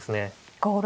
５六